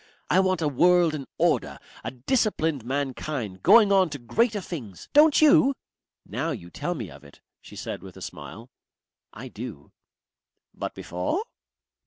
I want a world in order, a disciplined mankind going on to greater things. Don't you?" "Now you tell me of it," she said with a smile, "I do." "But before